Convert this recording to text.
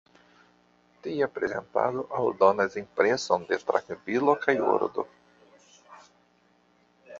Tia prezentado aldonas impreson de trankvilo kaj ordo.